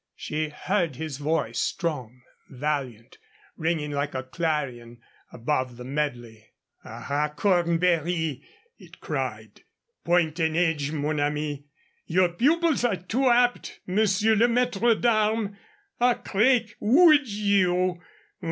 She heard his voice, strong, valiant, ringing like a clarion above the medley: "Aha, Cornbury!" it cried. "Point and edge, mon ami!... Your pupils are too apt, Monsieur le Maître d'Armes.... Ah, Craik, would you?...